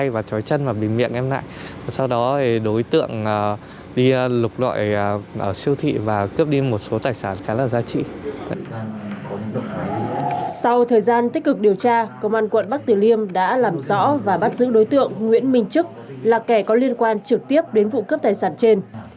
và bắt giữ đối tượng nguyễn minh trức là kẻ có liên quan trực tiếp đến vụ cướp tài sản trên